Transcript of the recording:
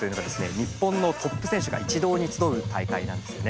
日本のトップ選手が一堂に集う大会なんですよね。